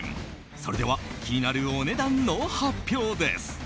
それでは気になるお値段の発表です。